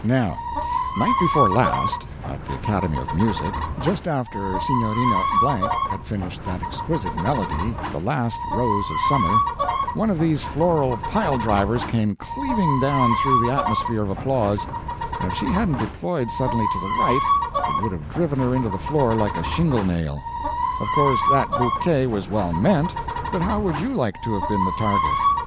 Now, night before last, at the Academy of Music, just after Signorina ____ had finished that exquisite melody, "The Last Rose of Summer," one of these floral pile drivers came cleaving down through the atmosphere of applause, and if she hadn't deployed suddenly to the right, it would have driven her into the floor like a shinglenail. Of course that bouquet was well meant; but how would you like to have been the target?